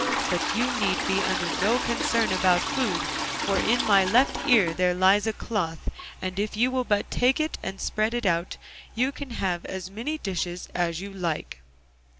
But you need be under no concern about food, for in my left ear there lies a cloth, and if you will but take it and spread it out, you can have as many dishes as you like.